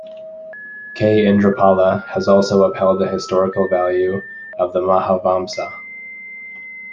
K. Indrapala has also upheld the historical value of the "Mahavamsa".